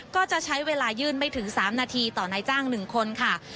ก็จะใช้เวลายื่นไม่ถึง๓นาทีต่อนายจ้าง๑คนค่ะ